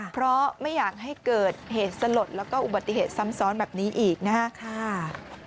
เพราะไม่อยากให้เกิดเหตุสลดแล้วก็อุบัติเหตุซ้ำซ้อนแบบนี้อีกนะครับ